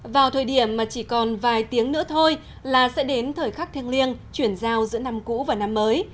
vào thời điểm mà chỉ còn vài tiếng nữa thôi là sẽ đến thời khắc thiêng liêng chuyển giao giữa năm cũ và năm mới